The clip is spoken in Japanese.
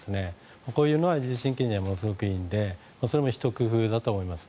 これが自律神経にはものすごくいいのでそれもひと工夫だと思います。